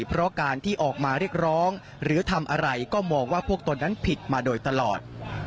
เพราะการที่ออกมาเรียกร้องหรือทำอะไรก็มองว่าพวกตนนั้นผิดมาโดยตลอด